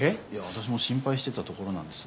私も心配してたところなんです。